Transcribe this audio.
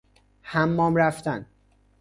حمام رفتن